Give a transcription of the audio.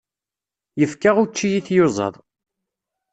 Yefka učči i tyuẓaḍ.